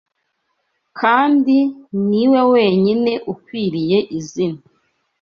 kandi ni we wenyine Ukwiriye izina